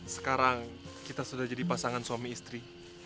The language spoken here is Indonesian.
sekarang kita sudah jadi pasangan suami istri